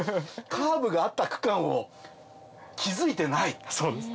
カーブがあった区間を気付いてない！